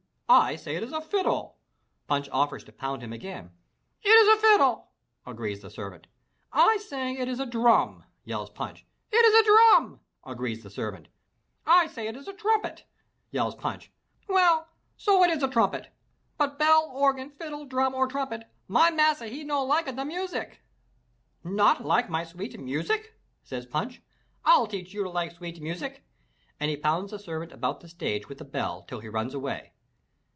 ' I say it is a fiddle!" Punch offers to pound him again. "It is a fiddle," agrees the servant. "I say it is a drum," yells Punch. "It is a drum," agrees the servant. "I say it is a trumpet," yells Punch. "Well, so it is a trumpet; but bell, organ, fiddle, drum or trumpet, my master he no lika de music." "Not like my sweet music?"says Punch. "I'll teach you to like sweet music!" and he pounds the servant about the stage with the bell till he runs away.